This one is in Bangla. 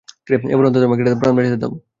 এবার অন্তত আমাকে একটা প্রাণ বাঁচাতে দাও।